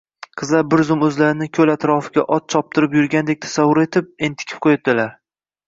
Qizlar bir zum oʼzlarini koʼl atrofida ot choptirib yurgandek tasavvur etib, entikib qoʼydilar.